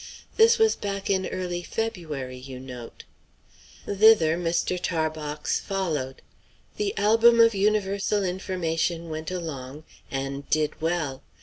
This was back in early February, you note. Thither Mr. Tarbox followed. The "Album of Universal Information" went along, and "did well."